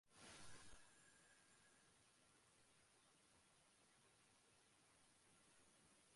ইংল্যান্ডের অন্যতম অভিজ্ঞ ব্যাটসম্যান কেভিন পিটারসেনকে দূরে সরিয়ে দিয়েছেন ইংল্যান্ডের নির্বাচকেরা।